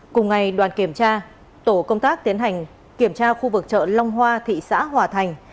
cùng ngày đoàn kiểm tra tổ công tác tiến hành kiểm tra khu vực chợ long hoa thị xã hòa thành